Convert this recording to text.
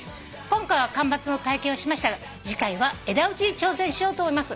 今回は間伐の体験をしましたが次回は枝打ちに挑戦しようと思います」